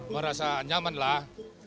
merasa nyaman lah